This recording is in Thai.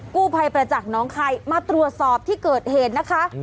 กู้ภัยประจักษ์น้องคายมาตรวจสอบที่เกิดเหตุนะคะ